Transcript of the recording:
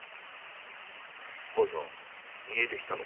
婆さん家出したのか？